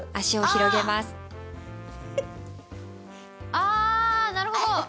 ああなるほど。